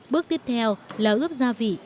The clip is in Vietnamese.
bước tiếp theo là ướp gia vị